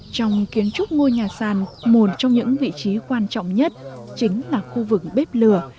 trong kiến trúc ngôi nhà sàn một trong những vị trí quan trọng nhất chính là khu vực bếp lửa